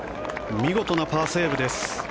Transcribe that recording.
見事なパーセーブです。